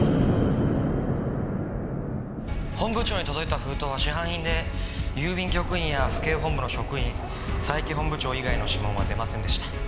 本部長に届いた封筒は市販品で郵便局員や府警本部の職員佐伯本部長以外の指紋は出ませんでした。